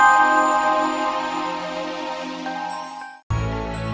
pak maman aku mau ke rumah